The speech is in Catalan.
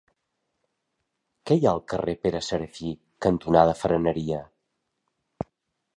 Què hi ha al carrer Pere Serafí cantonada Freneria?